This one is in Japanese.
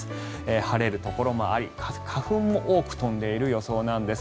晴れるところもあり花粉も多く飛んでいる予想なんです。